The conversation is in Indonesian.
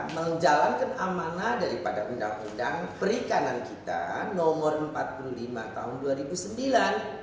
menjalankan amanah daripada undang undang perikanan kita nomor empat puluh lima tahun dua ribu sembilan